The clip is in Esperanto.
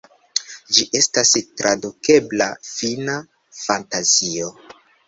Ĝi estas tradukebla "Fina Fantazio".